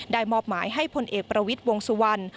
ได้มอบหมายให้พลเอกประวิดวงศ์สุวรรค์